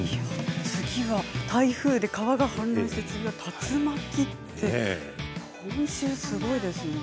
台風で川が氾濫して次は竜巻って今週すごいですね。